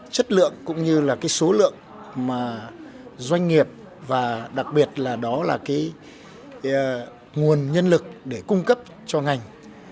chất lượng cũng như là cái số lượng mà doanh nghiệp và đặc biệt là đó là cái nguồn nhân lực để cung cấp cho ngành